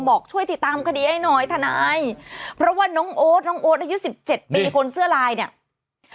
บอกช่วยติดตามคดีให้หน่อยทนายเพราะว่าน้องโอ๊ตน้องโอ๊ตอายุสิบเจ็ดปีคนเสื้อลายเนี่ย